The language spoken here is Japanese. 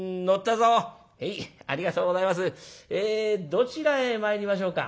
どちらへ参りましょうか」。